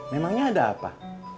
memangnya ada apa